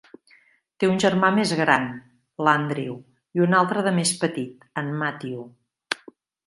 Té un germà més gran, l'Andrew, i un altre de més petit, en Matthew.